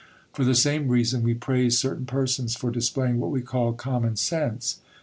For the same reason we praise certain persons for displaying what we call common sense.